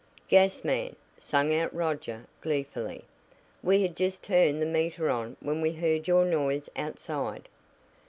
"Gas man!" sang out Roger gleefully. "We had just turned the meter on when we heard your noise outside."